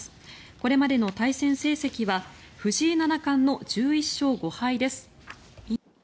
これまでの対戦成績は藤井七冠の１１勝５敗です。